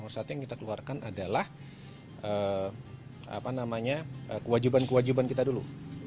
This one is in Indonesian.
nomor satu yang kita keluarkan adalah kewajiban kewajiban kita dulu